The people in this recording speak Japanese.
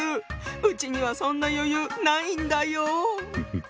うちにはそんな余裕ないんだよ。